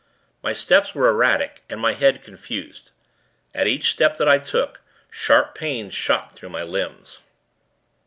My steps were erratic, and my head confused. At each step that I took, sharp pains shot through my limbs.